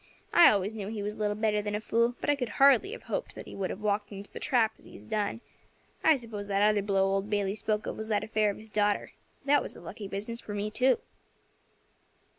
I always knew he was little better than a fool, but I could hardly have hoped that he would have walked into the trap as he has done. I suppose that other blow old Bayley spoke of was that affair of his daughter. That was a lucky business for me too."